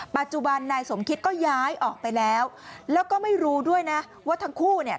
ปัจจุบันนายสมคิดก็ย้ายออกไปแล้วแล้วก็ไม่รู้ด้วยนะว่าทั้งคู่เนี่ย